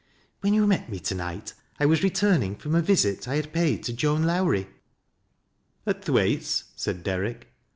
" When you met me to night, I was returning from n visit I had paid to Joan Lowrie." "AtThwaite's?" said Derrick.